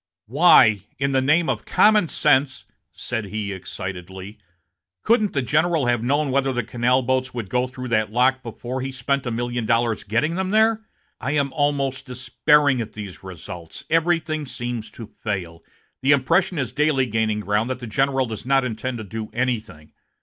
"Why, in the name of common sense," said he, excitedly, "couldn't the general have known whether canal boats would go through that lock before he spent a million dollars getting them there? I am almost despairing at these results. Everything seems to fail. The impression is daily gaining ground that the general does not intend to do anything.